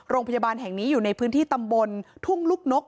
โรงพยาบาลแห่งนี้อยู่ในพื้นที่ตำบลทุ่งลูกนก